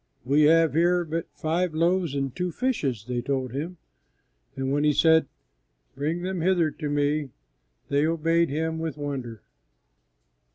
"We have here but five loaves and two fishes," they told Him; and when He said, "Bring them hither to Me," they obeyed Him with wonder.